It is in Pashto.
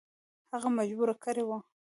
هغه مجبور کړی وو.